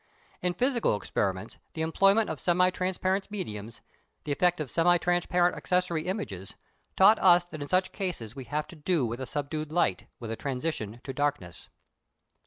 In physical experiments the employment of semi transparent mediums, the effect of semi transparent accessory images, taught us that in such cases we have to do with a subdued light, with a transition to darkness.